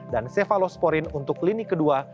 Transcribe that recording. dan cefalosporin untuk lini kedua